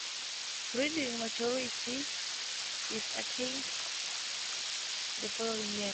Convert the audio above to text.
Breeding maturity is attained the following year.